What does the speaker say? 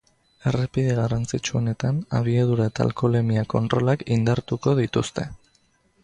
Errepide garrantzitsuenetan abiadura eta alkoholemia kontrolak indartuko dituzte.